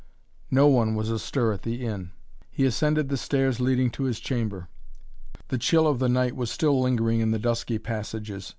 No one was astir at the inn. He ascended the stairs leading to his chamber. The chill of the night was still lingering in the dusky passages.